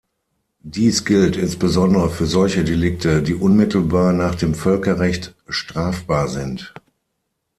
Dies gilt insbesondere für solche Delikte, die unmittelbar nach dem Völkerrecht strafbar sind.